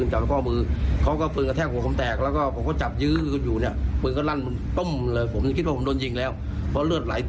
เห็นกล้องจริงปิดไหมกล้องจริงปิด